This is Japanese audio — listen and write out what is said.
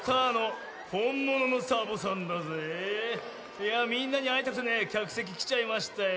いやみんなにあいたくてねきゃくせききちゃいましたよ。